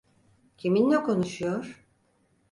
Kiminle konuşuyor?